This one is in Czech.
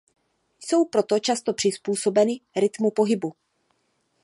Jsou proto často přizpůsobeny rytmu pohybu.